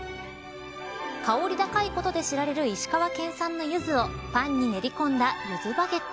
香り高いことで知られる石川県産の柚をパンに練り込んだＹＵＺＵバゲット。